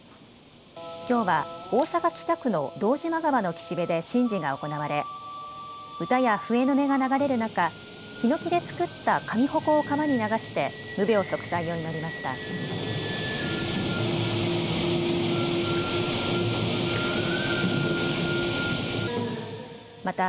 きょうは大阪北区の堂島川の岸辺で神事が行われ歌や笛の音が流れる中、ひのきで作った神鉾を川に流して無病息災を祈りました。